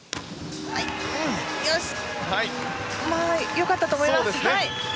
良かったと思います。